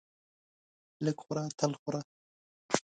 لږ خوره تل خوره.